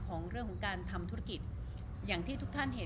ของเรื่องของการทำธุรกิจอย่างที่ทุกท่านเห็น